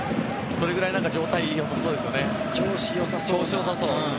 それくらい状態良さそうですよね。